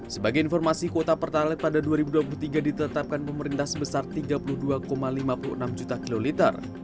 sebagai informasi kuota pertalit pada dua ribu dua puluh tiga ditetapkan pemerintah sebesar tiga puluh dua lima puluh enam juta kiloliter